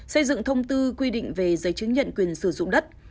xây dựng thông tư quy định về giấy chứng nhận quyền sử dụng đất